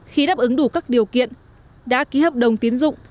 khi đáp ứng đủ các điều kiện đã ký hợp đồng tiến dụng